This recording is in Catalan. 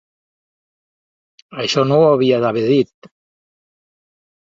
Això no ho havia d’haver dit.